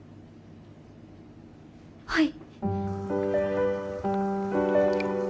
はい。